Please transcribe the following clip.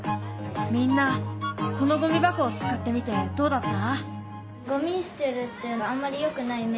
みんなこのゴミ箱を使ってみてどうだった？